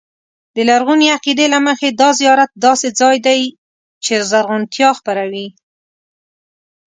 د لرغوني عقیدې له مخې دا زیارت داسې ځای دی چې زرغونتیا خپروي.